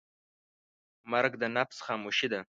مرګ د نفس خاموشي ده.